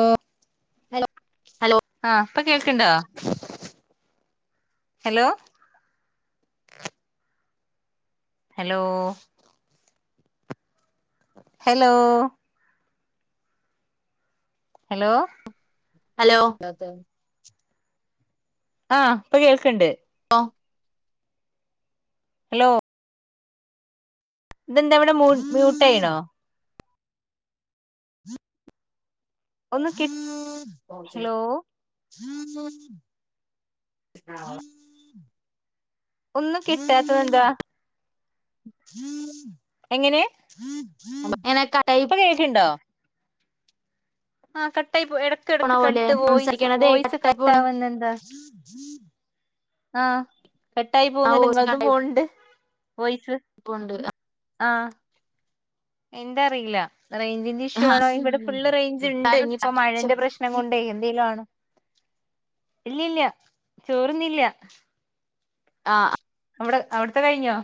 ഓ hello ഹൽ- - ആഹ ഇപ്പൊ കേൾക്ക്ണ്ടോ hello hello hello hello hello ആഹ ഇപ്പൊ കേൾക്ണ്ട് ആഹ് ഹലോ ഇതെന്താവിടെ മൂ മ്യൂട്ടായ്ണോ ഒന്ന് കി ഹലോ ഒന്നുകിട്ടാ തേതെന്താ എങ്ങനെ എങ്ങനെ കട്ടായി ഇപ്പൊ കേക്ക് ണ്ടോ? ആഹ കട്ടായി പോയ്‌ ഇടക്ക് പോണ ഇടക്ക് പോലെ കട്ട് വോയിസ് സംസാരിക്കണതേ വോയിസ് കട്ടായി കട്ട് പോണ് ആാവുന്നന്താ? ആഹ കെട്ടായി ആ പോവ്ന്ന്ണ്ട് വോയിസ് ഇങ്ങൾതും കട്ടായി പോവ്ണ്ട് വോയിസ് പോണ്ട് ആഹ എന്ത അറിയില്ല റേഞ്ചിന്റെ ഇഷ്യു ആണോ ഇവിടെ ഫുൾള് റേഞ്ച് ചായ ണ്ട് ഇനിയിപ്പോ കുടിച്ചോ മഴന്റെ പ്രശ്നം കൊണ്ടേ എന്തെലും ആണോ ഇല്യാല്ല്യാ ചോർന്നില്ല ആഹ അവിടെ അവിടത്തെ കഴിഞ്ഞോ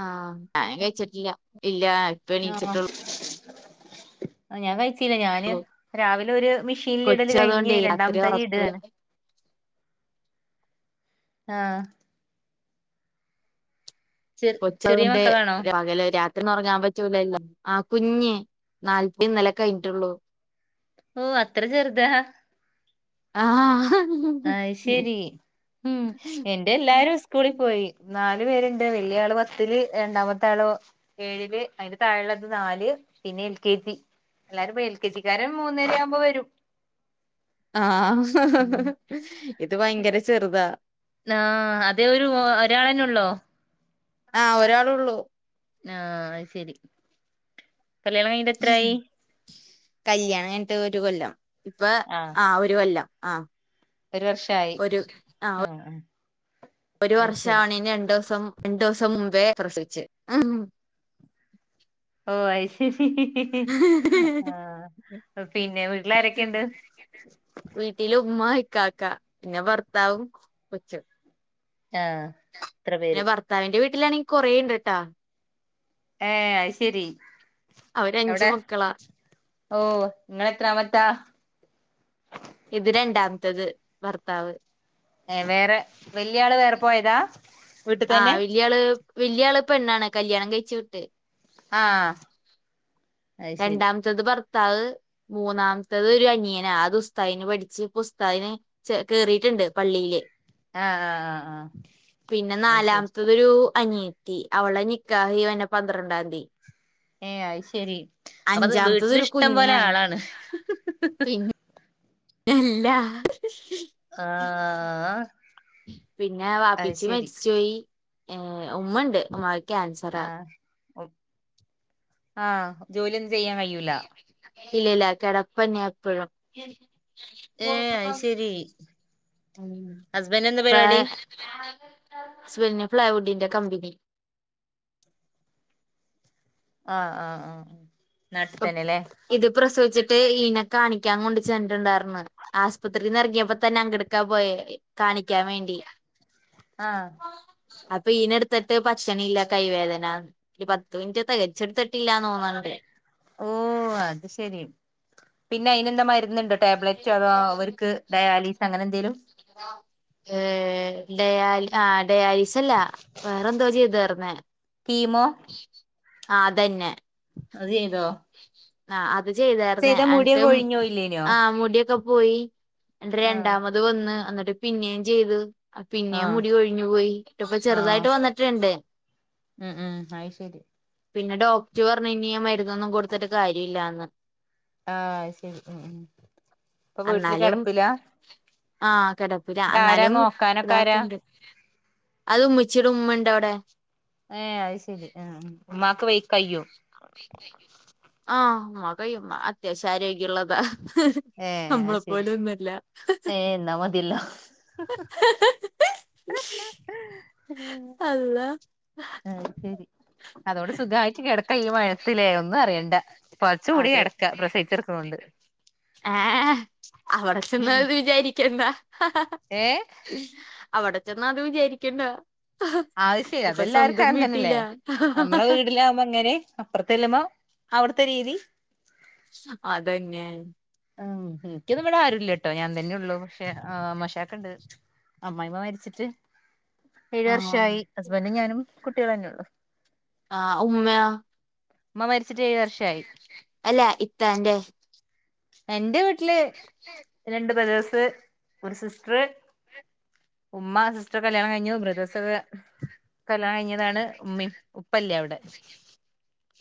ആഹ ഞാൻ കഴിച്ചിട്ടില്ല ഇല്ല ഇപ്പ എണീച്ചിട്ടുള്ളൂ ആ ഞാൻ കഴി ല്ല ഞാന് രാവിലെ ഒരു മെഷീനൽ ഇടല് കൊച്ച് കഴിഞ്ഞ് അതുകൊണ്ടേ രാത്രി രണ്ടാമത്തരി ഉറക്കൂല്ല ഇടുകയാണ് ആഹ ചെ കൊച്ചു ചെറിയ തെട്ടെ മക്കളാണോ പകൽ രാ ന്ന് ഉറങ്ങാൻ പറ്റൂലല്ലോ ആ കുഞ്ഞ് നാല്പ്പന്നില കഴിഞ്ഞിട്ടുള്ളു ഓ അത്ര ചെറുതാ ആഹ് ആ ശരി ഉം എന്റെ എല്ലാരും സ്കൂളിൽ പോയി നാല് പേരുണ്ട് വലിയ ആള് പത്തില്ല് രണ്ടാമത്തെ ആള് ഏഴില് അതിന്റെ താഴെള്ളത് നാല് പിന്നെ എൽ കെ ജി എല്ലാരും എൽ കെ ജിക്കാരൻ മൂന്നര ആവുമ്പോ വരും ആഹ ഇത് ഭയങ്കര ചെറുതാ ആ അതെ ഒരു ഒരാളന്നെ ഉള്ളോ ആഹ ഒരാള ഉള്ളൂ ആഹ് ശരി കല്യാണം കഴിഞ്ഞിട്ട് എത്രായി കല്യാണം കഞ്ഞിട്ട് ഒരു കൊല്ലം ഇപ്പൊ ആഹ് ആ ഒരു കൊല്ലം ആഹ് ഒരു വർഷായി ഒരു ആ ആഹ് ആഹ് ഒരു അത് ശരി വർഷമാണെ രണ്ടു ദിവസം രണ്ടു ദിവസം മുമ്പേ പ്രസവിച്ചേ ഓ ശരി ആഹ പിന്നെ വീട്ടിലാരൊക്കെയുണ്ട് വീട്ടില് ഉമ്മ ഇക്കാക്ക പിന്നെ ഭർത്താവും കൊച്ചും ആഹ ഇത്ര പേര് ട്ടാണെങ്കിൽ കൊറേണ്ട് കേട്ടാ ഏ ആശരി അവര് അഞ്ചു മക്കളാ ഓ നിങ്ങൾത്രാമത്താ ഇത് രണ്ടാമത്തത് ഭർത്താവ് ഏ വേറെ വലിയ ആള് വേറെ പോയതാ വീട്ടിൽ തന്നെ വല്യ ആൾ പെണ്ണ് ആണ് കല്യാണം കഴിച് വിട്ട് ആഹ രണ്ടാമത്തത് ഭർത്താ ത്താവ് മൂന്നാമത്തത് ഒരു അനിയന ആ ദുസ്താവിന് പഠിച്ച ഇപ്പാ ഉസ്താദിന് കേറിട്ട് ട്ട് പള്ളിൽ ആഹ് ആഹ് ആഹ് ആഹ് പിന്നെ അത് ശരി നാലാമത്തരു അനിയത്തി അവളെ നിക്കാഹ ഇവരുന്ന പന്ത്രണ്ടാംതി ഏയ് അശ്ശേരി അപ്പൊ അത് വീട്ടില ഇഷ്ടം പോലെ കുഞ്ഞാണ് ആളാണ് പിന്നെ അല്ല ആഹ പിന്നെ വാപ്പിച്ചു മരിച്ചപോയി ഏ ഉമ്മുണ്ട് ഉമാ ക്യാൻസറ ആഹ ജോലിയൊന്നും ചെയ്യാൻ കഴൂല ഇല്ല ഇല്ല കിടപ്പന്നെ എപ്പഴും ഏഹ് അത് ശെരി [unintelligible] ഹസ്ബൻഡ് എന്താ പാ പരിപാടി [unintelligible] ഫ്ലൈവുഡിന്റെ കമ്പനി ആഹ ആഹ ആഹ ആഹ അ ഇത് പ്രസവിച്ചി ട്ട് ഇയ്നെ കാണിക്കാൻ കൊണ്ട് ചെന്നിട്ടുണ്ടായിന്ന് ആസ്പത്രിന്ന് എറങ്ങിയപ്പോ തന്നെ അങ്കെടുക്കാ പോയെ കാണിക്കാൻ വേണ്ടി ആഹ് അപ്പൊ ഇയ്നെ എട്ത്തി ട്ട് ഭക്ഷണ ഇല്ല കൈവേദന പത്ത് മിനിറ്റ് തെകച്ചെടുത്തിട്ടില്ലാന്ന് തോന്നണ്ട് ഓ അത് ശെരി പിന്നെ അയിനെന്താ മരുരുന്നുണ്ട ടാബ്ലറ്റ് അതോ അവർക്ക് ഡയാലിസ് അങ്ങനെ എന്തേിലും ഏ ഡയാല ആ ഡയാലിസ്സല വേറെന്തോ ചെയ്താർന്നേ ഹീമോ ആ അതന്നെ അത് ചെയ്തോ ആ അത് ചെയ്തരുന്നേ ചെയ്താ മുടിയൊക്കെ അന്ട്ടും കൊഴിഞ്ഞോ ഇല്ലേനോ ആഹ് മുടിയൊക്കെ പോയി എന്നിട്ട്‌ ആഹ് രണ്ടാമത് വന്ന് എന്നിട്ട് പിന്നെയും ചെയ്തു പിന്നെയും ആഹ് മുടി കെഴിഞ്ഞു പോയി ട്ടിപ്പ ആഹ് ചെറുതായിട്ട് വന്നട്ടിണ്ട് ഉം ഉം അയ ശരി പിന്നെ ഡോക്ടർ പറഞ്ഞു ഇനി മരുന്നൊന്നും കൊടുത്തിട്ട് കാര്യം ഇല്ലാന്ന് ആഹ് ശരി ഉം ഉം ഇപ്പൊ വീട്ടില് കിടപ്പില്ല ആ കെടപ്പില്ല ഇതാരാ എന്നാലും നോക്കാനൊക്കെ ആരാ ഇതാക്കണ്ട് അത് ഉമ്മിച്ചിട ഉമ്മ അവിടെ ഏ അയിശെരി ആ ഉമ്മാക്ക് വയി കയ്യോ ആ ഉമ്മ കയമ്മ അത്യാവശ ആരോഗ്യമുള്ളതാ ഏ നമ്മളെ അശരി പോലൊന്നുമല്ല ഏഹ നമ്മതില്ലോ [unintelligible] അള്ളാ ആ അത് ശരി അതോട് സുഖമായിട്ട ക കൈ മഴത്തിലേ ഒന്നു അറിയണ്ട പുതച്ച് മൂടി കിടക്ക പ്രസയിച്ചടുക്കുന്നൊണ്ട് ഏ അവിടെ ചെന്ന് വിചാരിക്ക എന്താ ഏ അവിടെ ചെന്ന അത് വിചാരിക്കണ്ട ആവശ്യ ഇപ്പൊ അതെല്ലാവർക്കും സ്വന്തം അങ്ങതന്നെല്ലേ വീട്ടിലാ നമ്മളെ വീടിലാവുമ്പോ അങ്ങനെ അപ്പുറത്തെല്ലമ്മ അവിടുത്തെ രീതി അതന്നെ ഉം എനിക്കിവിടെ ആരുല്ല കേട്ടോ ഞാൻ തന്നെയ ഉള്ളു പക്ഷെ ആഹ് [inaudible] ഇണ്ട് അമ്മായിമ്മ മരിച്ചിട്ട് ഏഴു ആഹ് വർഷായി ഹസ്ബന്റും ഞാനും കുട്യളും തന്നെയള്ളു ആ ഉമ്മ ഉമ്മ മരിച്ചിട്ട് ഏഴു വർഷായി [inaudible] അല്ല ഇത്താന്റെ എന്റെ വീട്ടില് രണ്ട് ബ്രദേഴസ് ഒരു സിസ്റ്റർ ഉമ്മാ സിസ്റ്ററിന്റെ കല്യാണം കഴിഞ്ഞു ബ്രദേഴ്സ്ക്കെ കല്യാണ കഴിഞ്ഞതാണ് ഉമ്മയും ഉപ്പല്ലേ അവിടെ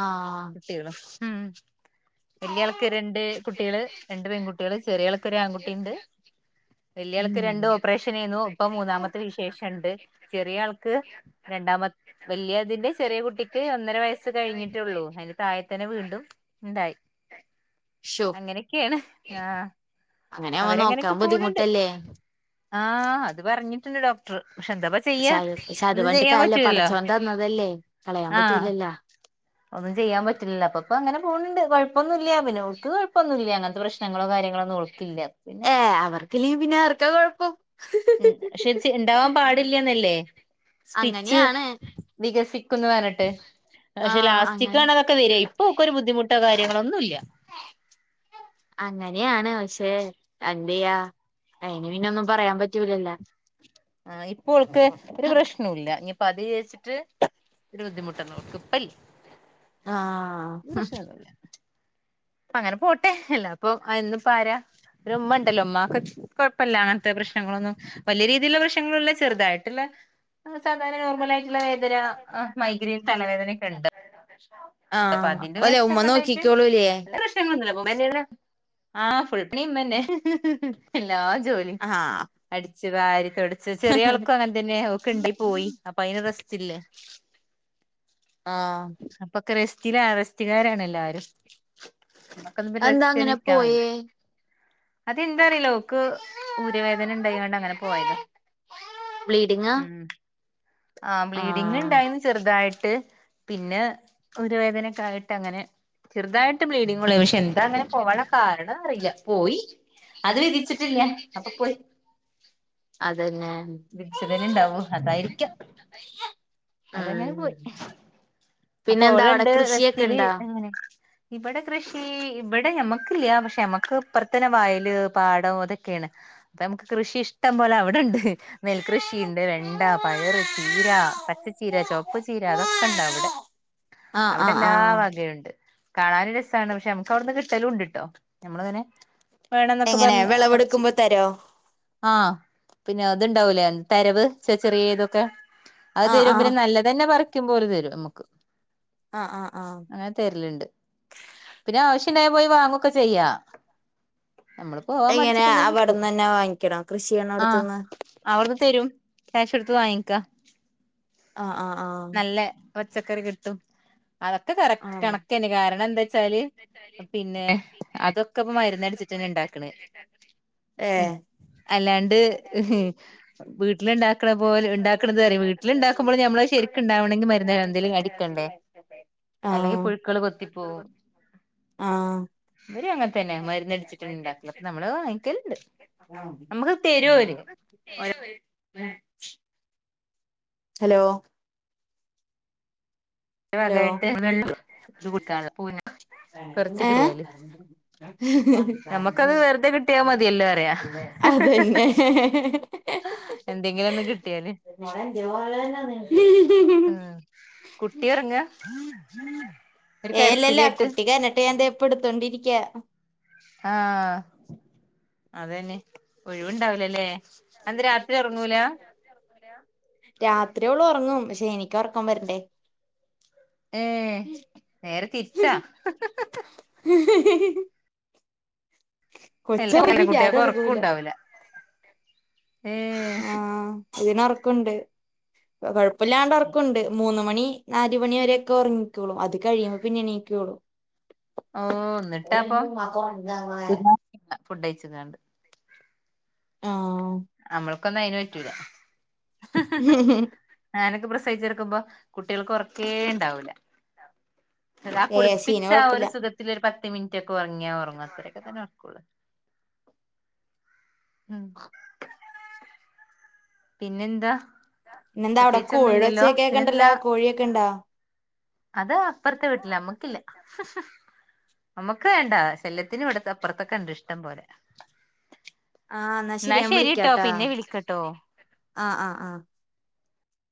ആഹ് കുട്ടികളും ഉം വല്ലിയാൾക്ക് രണ്ട് കുട്ടികള് രണ്ട് പെൺകുട്ടികള് ചെറിയൾക്കൊരാൺകുട്ടിണ്ട് വെല്യ ആൾക്ക് രണ്ടു ഉം ഓപ്പറേഷൻ ആയിന്നു ഇപ്പൊ മൂന്നാമത്തെ വിശേഷം ഇണ്ട് ചെറിയ ആൾക്ക് രണ്ടാമ വലിയ അതിന്റെ ചെറിയ കുട്ടിക്ക് ഒന്നര വയസ്സ് കഴിഞ്ഞിട്ടുള്ളൂ അതിന്റെ താഴെ തന്നെ വീണ്ടും ഇണ്ടായി അങ്ങനെയൊക്കെയാണ് ആഹ് അങ്ങനെ അവൻ നോക്കാൻ ബുദ്ധിമുട്ടല്ലേ ആ അത് പറഞ്ഞിട്ടുണ്ട് ഡോക്ടർ പക്ഷെ എന്താപ്പ ചെയ്യ പക്ഷെ അത് പക്ഷെ അത് ഒന്നു പറഞ്ഞിട്ട് ചെയ്യാൻ കാര്യല്ല പറ്റൂലല്ലോ പടച്ചോൻ തന്നതല്ലേ കളയാൻ ആഹ പറ്റൂലല്ലോ ഒന്നു ചെയ്യാൻ പറ്റില്ലല്ലോ അപ്പൊപ്പ അങ്ങനെ പോണണ്ട് കൊഴപ്പൊന്നുല്ല്യ പിന്നെ ഓൾക്ക് കൊപ്പൊന്നുല്ല്യ അങ്ങനത്തെ പ്രശ് ഏ അവർക്കില്ലാക്കിൽ പിന്നെ ആർക്കാ കൊഴപ്പം ഉം പക്ഷെ ഇണ്ടാവാൻ പാടില്ലന്നല്ലേ സ്റ്റിച്ച് അങ്ങനെയാണ് വികസിക്കന്ന പറഞ്ഞിട്ട് പക്ഷെ ആഹ് ലാസ്റ്റിക്ക അങ്ങനെ ആ അതൊക്കെ വരിക ഇപ്പൊക്കെ ഒരു ബുദ്ധിമുട്ട കാര്യ പ്രശനങ്ങളൊന്നുംല്ല അങ്ങനെയാണ് പക്ഷേ എന്തയാ അയിന് പിന്നെ ഒന്നും പറയാൻ പറ്റൂലല്ല ആ ഇപ്പോക്ക് ഒരു പ്രശ്നവും ഇല്ല ഇനിപ്പ അത് വിചരിച്ചിട്ട് ഒരു ബുദ്ധിമുട്ടന്നോൾക്ക് ഇപ്പല്ല ആഹ് ഇപ്പൊ പ്രശ്‌നൊന്നുല്ല അങ്ങനെ പോട്ടെ അല്ലാപ്പൊ എന്നും പ്പാര പിന്നെ മ്മ ഉണ്ടല്ലോ ഉമ്മാക്കെ കുഴപ്പല്ല അങ്ങനത്തെ പ്രശ്നങ്ങളൊന്നും വല്യ രീതിയിലുള്ള പ്രശ്നങ്ങളല്ല ചെറുതായിട്ട്ള്ള സാധാരണ നോർമലായിട്ടുള്ള വേദന മൈഗ്രൈൻ തലവേദനെക്ക്ണ്ട് ആഹ് അപ്പൊതിന്റെ ഓലെ ഉമ്മ പ്രശ്നംക്കെ ണ്ടായിട്ട് നോക്കിക്കോളൂലേ പ്രനങ്ങളൊന്നുല്ല മ്മന്നേണ് ആ ഫുൾ പണിമ്മന്നെ ഹ് ഹ് ഹ് എല്ലാ ജോല്യും ആഹ് അടിച്ചു വാരി തൊട്ച്ച് ചെറിയാൾക്കും അങ്ങനെ തന്നെ ഓക്ക് ണ്ട് പോയി അപ്പൊ അതിന് റെസ്റ്റില്ല ആ ക്രസ്റ്റിലെ അറസ്റ്റ്കാരാണ് എല്ലാരും നമ്മക്കൊന്നും അതെന്താ അങ്ങനെ റെസ്റ്റ്നിരിക്കാ വയ്യ പോയേ എന്താന്നറീല ഓക്ക് ഊര വേദന ണ്ടായാണ്ട് അങ്ങനെ പോയതാ ബ്ലീഡിങ്ങ ആ ബ്ലീഡിങ്ണ്ടായിന്നു ചെറുതായിട്ട് പിന്നെ ഊരവേദനക്കായിട്ടങ്ങനെ ചെറുതായിട്ട് ബ്ലീഡിങ്ങുള്ളു പക്ഷെ എന്താ അങ്ങനെ പോകാനുള്ള കാരണം അറില്ല പോയി അത് വിധിച്ചിട്ടില്ല അപ്പൊ പോയി അതന്നെ വിധിച്ചതല്ലേ ണ്ടാവു അതായിരിക്കും അതങ്ങനെ ഉം പോയി അപ്പൊ പിന്നെന്താ അവിടെ ഓളുണ്ട് കൃഷിയൊക്കെ റെസ്റ്റില് ഇണ്ടോ അങ്ങനെ ഇവിടെ കൃഷി ഇവടെ ഞമ്മക്കില്ല പക്ഷെ ഞമ്മക്ക് ഇപ്പറത്തെന്നെ വയല്, പാടം അതൊക്കെ ക്കേണ് അപ്പമ്മക്ക് കൃഷി ഇഷ്ടം പോലെ അവിടെണ്ട് നെൽകൃഷി- ക്കെണ്ട് വെണ്ട, പയറ്, ചീര, പച്ചച്ചീര, ചോപ്പു ചീര അതൊക്കെണ്ടവടെ ആഹ് ആഹ് അവിടെല്ലാ ആഹ് വകയുണ്ട് കാനാനും രസാണ് പക്ഷെ ഞമ്മക്ക് വിട്ന്ന് കിട്ടലും ണ്ട്ട്ടോ നമ്മളിങ്ങനെ വേണന്നൊക്കെ പറ എങ്ങനെ വിളവെടുക്കുമ്പോ തരോ ആ പിന്നെ ഇത്ണ്ടാവൂലേ തെരവ് ചെ ചെറിയതൊക്കെ അത് ആഹ് തെരും ആഹ് പിന്നെ നല്ലതെന്നെ പറ ക്കുമ്പോല് തെരും മ്മക്ക് ആഹ് ആഹ് ആഹ് അങ്ങനെതെര്ല് ണ്ട് പിന്നെ ആവശ്യ പിന്നെ അത് പോയി വാങ്ങൊക്കെ ചെയ്യാ നമ്മള് പോവാൻ എങ്ങനെ മടിച്ചിട്ടിങ്ങനെ നിക്കും അവിടന്ന് തന്നെ വാങ്ങിക്കണോ കൃഷി ആ ചെയ്യണോടത്തുന്ന് അവിടെ തെരും ക്യാഷൊടുത്ത് വാങ്ങിക്ക ആ ആ ആ പച്ചക്കറി കിട്ടും അതൊക്കെ കറക് ആഹ് കണക്കെന്നേണ് കാരണെന്താച്ചാല് പിന്നെ അതൊക്കെ ഇപ്പ മരുന്ന്ടിച്ചിട്ടു ഏ അല്ലാണ്ട് ഹ് വീട്ടിൽ ഉണ്ടാക്കണ പോലെ വീട്ടിലുണ്ടാക്കണ പോലെ ഉണ്ടാക്കണതറിയ വീട്ടിൽ ഉണ്ടാക്കണത് ണ്ടാക്കുമ്പോൾ ഞമ്മളെ ഇഷ് വീട്ടിലുണ്ടാക്കുമ്പോൾ ശെരിക്ക് നമ്മള് ണ്ടാവണെങ്കിൽ മരുന്ന് ശരിക്കുണ്ടാവണമെങ്കിൽ എന്തേലും മരുന്ന് കലർന്നീര് അടിക്കണ്ടേ കഴിക്കണ്ടേ അല്ലെങ്കി ആഹ് പുഴുക്കള് കൊത്തി പോവും ഇവരും അങ്ങൻത്തന്നെ മരുന്നടിച്ചിട്ട ണ്ടാക്ക്ണ് നമ്മളത് വാങ്ങിക്കല്ണ്ട് നമ്മക്ക് തരും ഓര് [inaudible] ഹലോ ഹലോ വകായിട്ട് കൊറച്ച് ഏഹ് കിടിയല് ഞമ്മക്കത് വെറുതെ കിട്ടിയാ മതിയല്ലോ പറിയ ഹ് അതന്നെ ഹ് ഹ് എന്തെങ്കിലൊന്ന് കിട്ട്യാല് ആ കുട്ടിയൊ ഏല്ലല്ലാ കരച്ചിലേട്ട് കുട്ടി കരഞ്ഞിട്ട് പ്പ താ ഇടുത്തോണ്ടിരിക്ക ആ അതെന്നെ ഒഴിവുണ്ടാവൂലല്ലേ അതെന്തെ രാത്രി ഒറങ്ങൂല രാത്രി ഓളൊർങ്ങും എനിക്കൊറക്കം വരണ്ടേ ഏ നേരെ തിരിച്ചാ ഹ് ഹ് ഹ് ഹി ഹി ഹി എല്ലാ കൊച്ചറങ്ങും കുട്ടികൾക്ക് ഒറക്കം ഞാനൊറങ്ങൂല ഉണ്ടാവൂല ഏഹ് ആഹ ഇതിനൊർക്കുണ്ട് കൊഴപ്പില്ലാഒറോകേണ്ട് ണ്ട് മൂന്നും മണി നാല് മണി വരെക്കെ ഉറങ്ങിക്കളൂ അത് കഴിയുമ്പോ പിന്നെണീക്കള്ളൂ ഓ ന്നിട്ടാപ്പൊ ഫുഡെഴിച്ച്ണ്ടാണ്ട് ആഹ്ം നമ്മൾക്കൊന്നും അയിന് പറ്റൂല ഹ് ഹ് ഞാനൊക്കെ പ്രസ.. സഹിച്ചെടുക്കുമ്പോ കുട്ടിയെൾക്ക് ഒർക്കേ ഉണ്ടാവൂല അതാ ആ ഏഹ് ശീന കുളിപ്പിച്ച ആ ഒരു കൊഴപ്പില്ല സുഖത്തില് ഒരു പത്ത് മിനിറ്റെക്കെ ഉറങ്ങിയാ ഉറങ്ങും അത്രക്കതന്നെ ഉറക്കെള്ളൂ. ആഹ പിന്നെന്താ? പിന്നെന്താ അവിടെ കോഴി പ്രത്യേകിച്ചൊന്നുംല്ലല്ലോ ച്ചൊക്കെ കെക്ണ്ടല്ലോ പിന്നെന്താ കോഴിയൊക്കെണ്ടാ അത് അപ്പുറത്തെ വീട്ടില്. നമ്മക്കില്ല നമ്മുക്ക് വേണ്ടാ, ശല്യത്തിന് ഇവിട്ത്തെ അപ്പുറത്തൊക്കെ ഇണ്ട് ഇഷ്ടം പോലെ ആഹ് എന്നാ ശരിയാ ഞാൻ ശരിട്ടോ വിളിക്കാട്ടാ പിന്നെ വിളിക്കട്ടോ ആഹ് ആഹ് ആഹ്